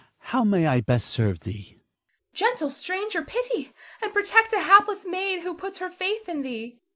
How may I best serve thee? Zara. Gentle stranger, pity and protect a hapless maid who puts her faith in thee.